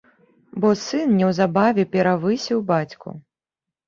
Бо сын неўзабаве перавысіў бацьку.